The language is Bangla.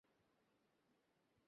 চলে গেছে ও।